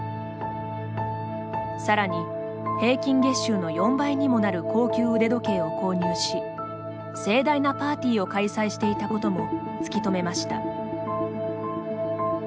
さらに、平均月収の４倍にもなる高級腕時計を購入し、盛大なパーティーを開催していたことも突きとめました。